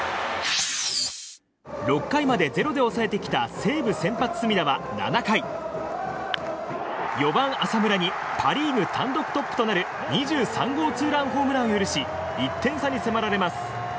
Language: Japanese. ６回まで０で抑えてきた西武先発、隅田は７回４番、浅村にパ・リーグ単独トップとなる２３号ツーランホームランを許し１点差に迫られます。